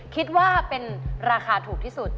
คิดว่าเป็นราคาถูกที่สุด